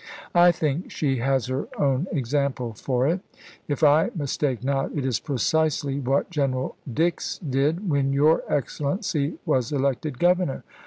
I think she has her own example for it. If I mistake not, it is precisely what General Dix did when 464 ABEAHAM LINCOLN Chap. XIX. your Excellency was elected governor.